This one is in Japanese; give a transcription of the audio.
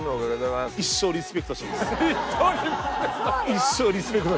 「一生リスペクト」。